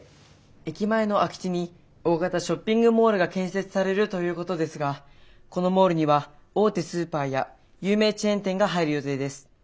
駅前の空き地に大型ショッピングモールが建設されるということですがこのモールには大手スーパーや有名チェーン店が入る予定です。